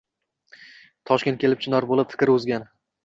Toshkent kelib, chinor bo‘lib fikri o‘zgan